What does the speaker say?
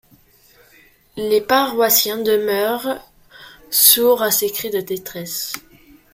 Les paroissiens demeurèrent sourd à ses cris de détresse.